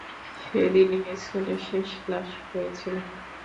সেদিনই স্কুলে শেষ ক্লাস হয়েছিল।